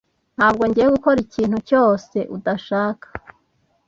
Ntabwo ngiye gukora ikintu cyose udashaka.